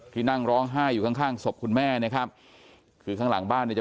นั่งร้องไห้อยู่ข้างข้างศพคุณแม่นะครับคือข้างหลังบ้านเนี่ยจะ